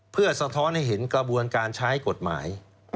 เพื่อสะท้อนให้เห็นกระบวนการใช้กฎหมาย